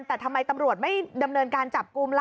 แต่ทำไมตำรวจไม่ดำเนินการจับกลุ่มล่ะ